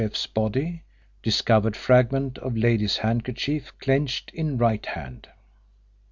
F.'s body. Discovered fragment of lady's handkerchief clenched in right hand.